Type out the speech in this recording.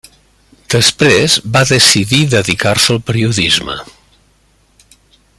Després, va decidir dedicar-se al periodisme.